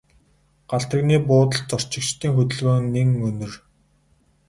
Галт тэрэгний буудалд зорчигчдын хөдөлгөөн нэн өнөр.